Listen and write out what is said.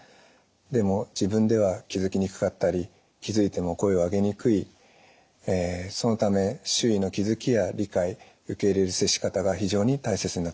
でも自分では気づきにくかったり気づいても声を上げにくいそのため周囲の気づきや理解受け入れる接し方が非常に大切になってきます。